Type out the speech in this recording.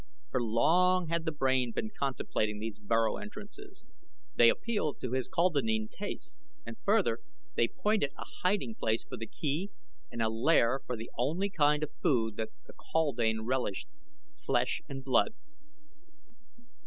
For long had the brain been contemplating these burrow entrances. They appealed to his kaldanean tastes, and further, they pointed a hiding place for the key and a lair for the only kind of food that the kaldane relished flesh and blood.